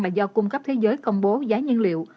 mà do cung cấp thế giới công bố giá nhân liệu